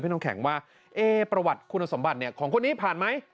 น้องแข็งว่าประวัติคุณสมบัติของคนนี้ผ่านไหม